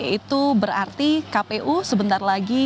itu berarti kpu sebentar lagi